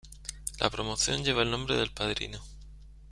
La promoción lleva el nombre del padrino.